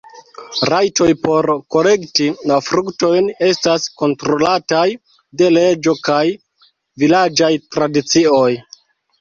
Rajtoj por kolekti la fruktojn estas kontrolataj de leĝo kaj vilaĝaj tradicioj.